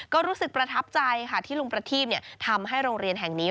ก็รู้สึกประทับใจค่ะที่ลุงประทีพทำให้โรงเรียนแห่งนี้